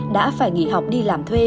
đã phải nghỉ học đi làm thuê